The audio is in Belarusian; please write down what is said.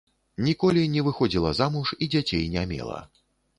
Ніколі не выходзіла замуж і дзяцей не мела.